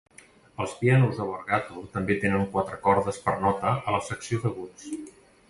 Els pianos de Borgato també tenen quatre cordes per nota a la secció d'aguts.